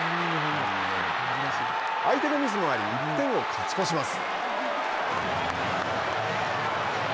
相手のミスもあり、１点を勝ち越します。